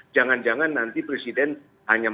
jangan jangan nanti presiden hanya